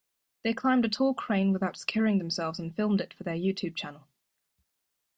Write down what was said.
They climbed a tall crane without securing themselves and filmed it for their YouTube channel.